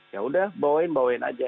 ya udah bawain bawain aja